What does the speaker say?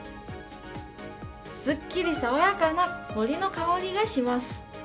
すっきり爽やかな森の香りがします。